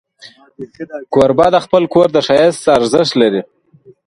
کوربه د خپل کور د ښایست ارزښت لري.